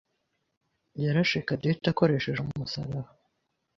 yarashe Cadette akoresheje umusaraba.